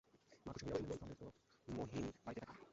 মা খুশি হইয়া উঠিলেন–তবে তো মহিন বাড়িতেই থাকিবে।